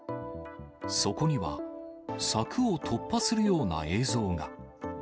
そこには、柵を突破するような映像が。